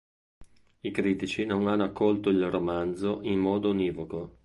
I critici non hanno accolto il romanzo in modo univoco.